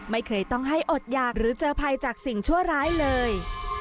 ไม่เคยต้องให้อดหยากหรือเจอภัยจากสิ่งชั่วร้ายเลย